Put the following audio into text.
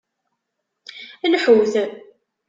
Lḥut!